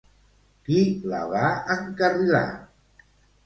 Qui la va encarrilar?